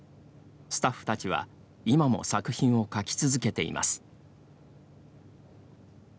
スタッフたちは今も作品をかき続けています。